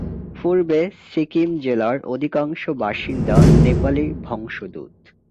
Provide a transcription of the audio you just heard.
পূর্ব সিকিম জেলার অধিকাংশ বাসিন্দা নেপালি বংশোদ্ভুত।